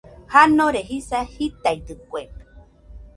Janore jisa jitaidɨkue.